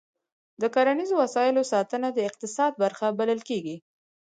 د کرنیزو وسایلو ساتنه د اقتصاد برخه بلل کېږي.